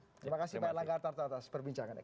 terima kasih pak erlangga tarto atas perbincangannya